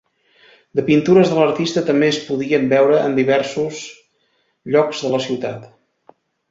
De pintures de l'artista també es podien veure en diversos llocs de la ciutat.